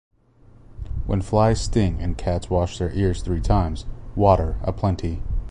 When flies sting and cats wash their ears three times, water aplenty.